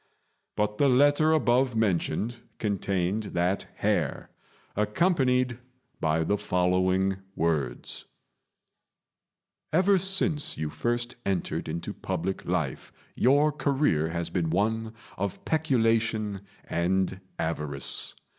But the letter above mentioned contained that hair, accompanied by the following words: "Ever since you first entered into public life your career has been one of peculation and avarice.